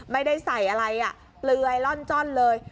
ไม่ได้ใส่อะไรเรื่อยล่อนเลย